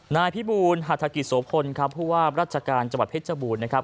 นายพี่บูรณ์หัตถักิจโสพลครับผู้ว่ารัชการจับประเภทเจ้าบูรณ์นะครับ